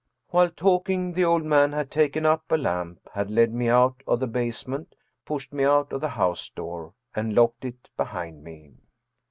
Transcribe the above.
While talking, the old man had taken up a lamp, had led me out of the basement, pushed me out of the house door, and locked it behind me.